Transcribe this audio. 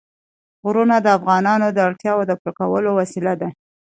غرونه د افغانانو د اړتیاوو د پوره کولو وسیله ده.